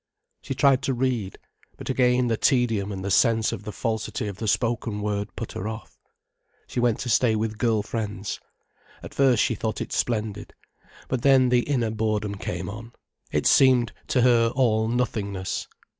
She tried to read. But again the tedium and the sense of the falsity of the spoken word put her off. She went to stay with girl friends. At first she thought it splendid. But then the inner boredom came on, it seemed to her all nothingness.